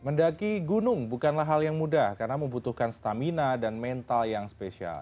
mendaki gunung bukanlah hal yang mudah karena membutuhkan stamina dan mental yang spesial